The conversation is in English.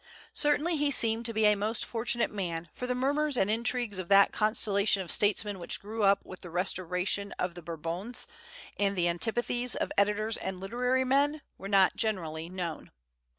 Certainly he seemed to be a most fortunate man, for the murmurs and intrigues of that constellation of statesmen which grew up with the restoration of the Bourbons, and the antipathies of editors and literary men, were not generally known.